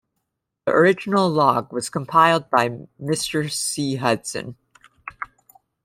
The original log was compiled by Mr C. Hudson.